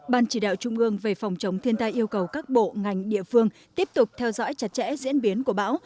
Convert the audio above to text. ban chỉ đạo trung ương về phòng chống thiên tai yêu cầu các bộ ngành địa phương tiếp tục theo dõi chặt chẽ diễn biến của bão